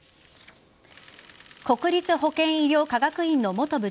国立保健医療科学院の元部